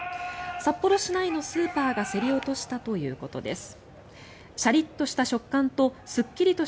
札幌市内のスーパーが競り落としたということです。